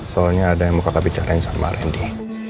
soalnya ada yang mau kata bicarain sama randy